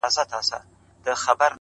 زه چـي په باندي دعوه وكړم،